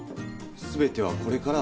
すべてはこれから。